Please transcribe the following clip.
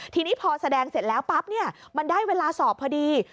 ทีนี้พอแสดงเสร็จแล้วปั๊บเนี่ยมันได้เวลาสอบพอดี